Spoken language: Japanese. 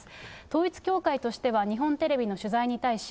統一教会としては日本テレビの取材に対し、